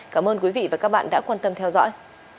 cảm ơn quý vị và các bạn đã quan tâm theo dõi